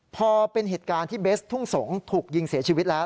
พอเป็นเหตุการณ์ที่เบสทุ่งสงศ์ถูกยิงเสียชีวิตแล้ว